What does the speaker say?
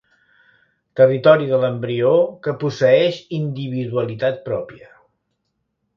Territori de l'embrió que posseeix individualitat pròpia.